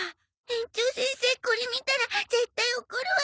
園長先生これ見たら絶対怒るわよね。